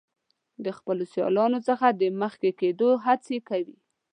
د خپلو سیالانو څخه د مخکې کیدو هڅه کوي.